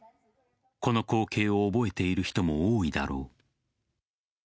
この光景を覚えている人も多いだろう。